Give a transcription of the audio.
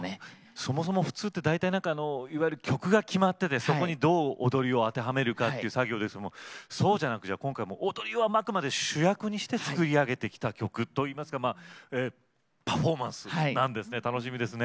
そもそも普通っていわゆる曲が決まってそこに、どう踊りを当てはめるかという作業ですけどそうじゃなくて今回踊りをあくまで主役にして作り上げてきた曲といいますかパフォーマンスなんですね。